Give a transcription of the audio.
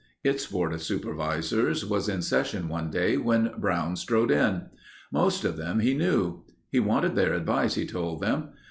Its board of supervisors was in session one day when Brown strode in. Most of them he knew. He wanted their advice, he told them.